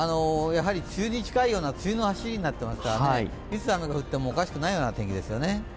梅雨に近いような梅雨のはしりになっていますから、いつ雨が降ってもおかしくない天気ですよね。